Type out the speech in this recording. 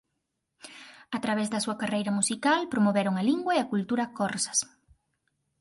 A través da súa carreira musical promoveron a lingua e a cultura corsas.